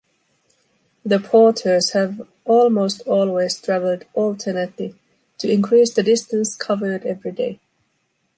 The Porters have almost always traveled alternately to increase the distance covered everyday.